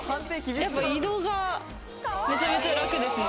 やっぱり移動がめちゃめちゃ楽ですね。